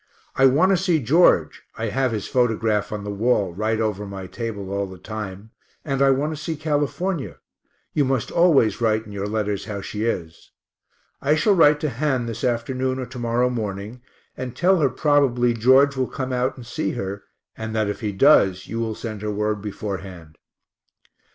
I want to see George (I have his photograph on the wall, right over my table all the time), and I want to see California you must always write in your letters how she is. I shall write to Han this afternoon or to morrow morning and tell her probably George will come out and see her, and that if he does you will send her word beforehand.